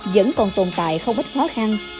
vẫn còn tồn tại không ít khó khăn